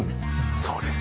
そうです。